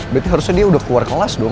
berarti harusnya dia udah keluar kelas dong